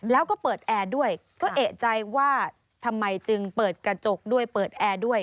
แล้วก็เปิดแอร์ด้วยก็เอกใจว่าทำไมจึงเปิดกระจกด้วยเปิดแอร์ด้วย